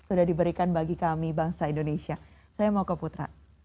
sudah diberikan bagi kami bangsa indonesia saya mau ke putra